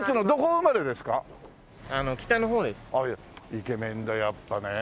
イケメンだやっぱねえ。